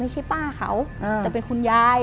ไม่ใช่ป้าเขาแต่เป็นคุณยาย